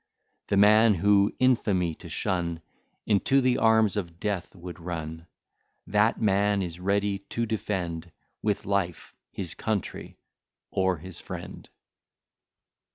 The man who infamy to shun Into the arms of death would run; That man is ready to defend, With life, his country or his friend.